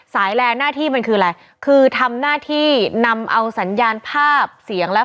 แลนหน้าที่มันคืออะไรคือทำหน้าที่นำเอาสัญญาณภาพเสียงและ